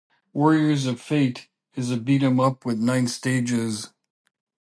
"Warriors of Fate" is a beat'em up with nine stages.